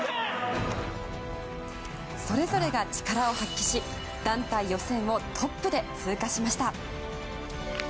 それぞれが力を発揮し団体予選をトップで通過しました。